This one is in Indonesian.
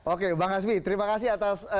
oke bang hasbi terima kasih atas